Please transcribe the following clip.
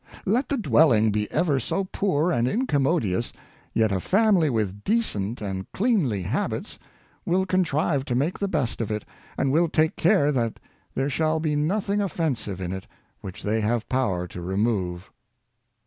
Let the dwelling be ever so poor and incommodious, yet a family with decent and cleanly habits will contrive to make the best of it, and will take care that there shall be nothing offensive in it which they have power to remove.